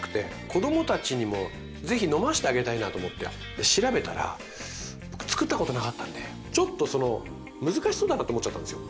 子供たちにも是非飲ませてあげたいなと思って調べたら僕つくったことなかったんでちょっとその難しそうだなって思っちゃったんですよ。